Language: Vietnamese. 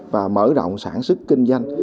và mở rộng sản xuất kinh doanh